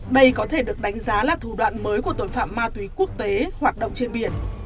đây có thể được đánh giá là thủ đoạn mới của tội phạm ma túy quốc tế hoạt động trên biển